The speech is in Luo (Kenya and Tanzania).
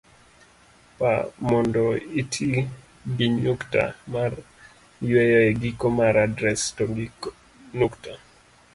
pa mondo iti gi nyukta mar yueyo e giko mar adres, to gi nukta